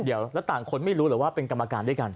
เดี๋ยวแล้วต่างคนไม่รู้เหรอว่าเป็นกรรมการด้วยกัน